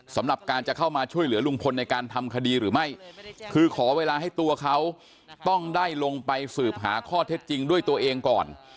สำหรับการจะเข้ามาช่วยเหลือลุงพลในการทำคดีหรือไม่คือขอเวลาให้ตัวเขาต้องได้ลงไปสืบหาข้อเท็จจริงด้วยตัวเองก่อน